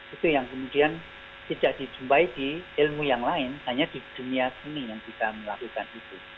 itu yang kemudian tidak dijumpai di ilmu yang lain hanya di dunia seni yang bisa melakukan itu